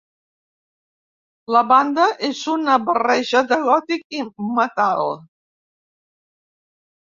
La banda és una barreja de gòtic i metal.